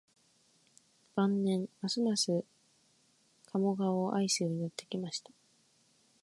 晩年、ますます加茂川を愛するようになってきました